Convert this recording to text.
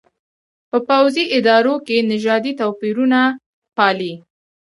په پوځي ادارو کې نژادي توپېرونه پالي.